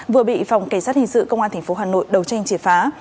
vừa bị phòng kỳ sát hình sự công an tp hà nội đầu tranh triệt phá